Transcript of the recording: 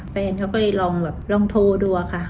แฟนเขาก็ได้ลองโทรดูอะค่ะ